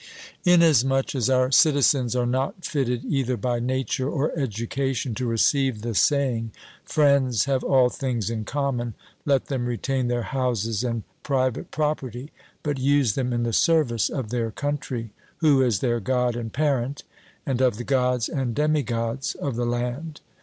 Inasmuch as our citizens are not fitted either by nature or education to receive the saying, Friends have all things in common, let them retain their houses and private property, but use them in the service of their country, who is their God and parent, and of the Gods and demigods of the land.